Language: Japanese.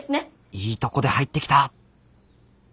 いいとこで入ってきた！